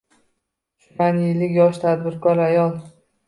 Shumanaylik yosh tadbirkor ayol